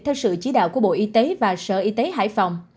theo sự chỉ đạo của bộ y tế và sở y tế hải phòng